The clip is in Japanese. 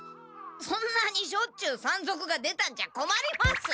そんなにしょっちゅう山賊が出たんじゃこまります！